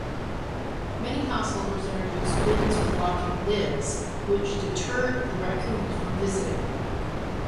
Many householders introduced bins with locking lids, which deterred the raccoons from visiting.